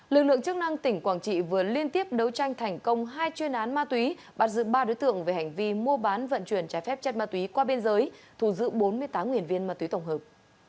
lực lượng chức năng tỉnh quảng trị vừa liên tiếp đấu tranh thành công hai chuyên án ma túy bắt giữ ba đối tượng về hành vi mua bán vận chuyển trái phép chất ma túy qua biên giới thù giữ bốn mươi tám nguyên viên ma túy tổng hợp